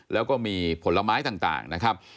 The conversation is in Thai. แล้วก็มีผลไม้ต่างนะครับ